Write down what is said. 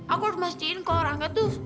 aku harus mastiin kalau rangga tuh